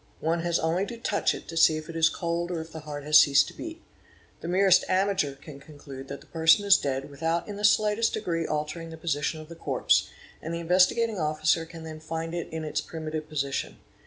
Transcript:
One has only to touch it to see if it is cold or if the heart has ceased to beat; the merest amateur can conclude that the person is dead without in the slightest degree altering the position of the corpse, and the Investigating Officer can then find it in its primitive position.